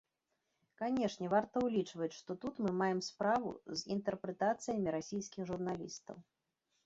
Канешне, варта ўлічваць, што тут мы маем справу з інтэрпрэтацыямі расейскіх журналістаў.